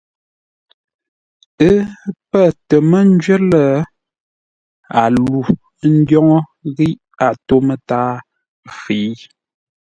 Ə́ pə́ tə mə́ ńjwə́r lə́, a lû ńdwóŋə́ ghíʼ a tó mətǎa fə̌i.